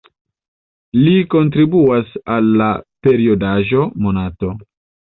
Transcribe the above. Li kontribuas al la periodaĵo "Monato".